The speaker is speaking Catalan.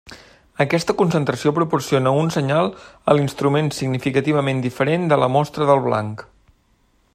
Aquesta concentració proporciona un senyal a l’instrument significativament diferent de la mostra del blanc.